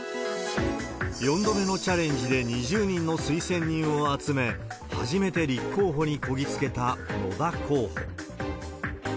４度目のチャレンジで２０人の推薦人を集め、初めて立候補にこぎ着けた野田候補。